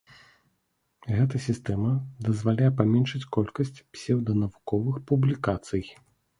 Гэта сістэма дазваляе паменшыць колькасць псеўданавуковых публікацый.